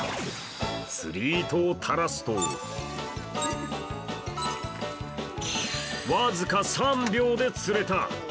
釣り糸を垂らすと僅か３秒で釣れた。